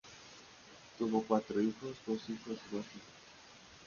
Tuvo cuatro hijos: dos hijos y dos hijas.